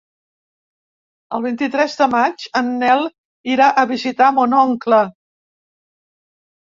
El vint-i-tres de maig en Nel irà a visitar mon oncle.